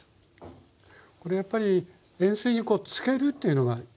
これやっぱり塩水につけるっていうのがいいんですかね？